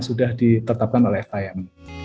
sudah ditetapkan oleh fim